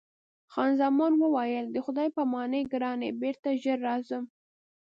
خان زمان وویل: د خدای په امان ګرانې، بېرته ژر راځم.